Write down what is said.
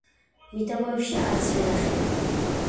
მიდამოებში არის ვენახები.